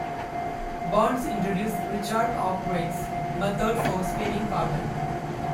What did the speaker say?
Burns introduced Richard Arkwright's methods for spinning cotton.